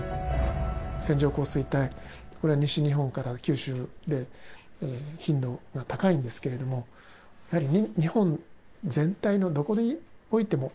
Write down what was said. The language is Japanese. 線状降水帯、これは西日本から九州で頻度が高いんですけれども、やはり日本全体のどこにおいても、